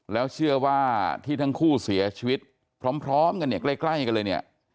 แล้วเชื่อว่าที่ทั้งคู่เสียชีวิตพร้อมกันเนี่ยใกล้กันเลยเนี่ย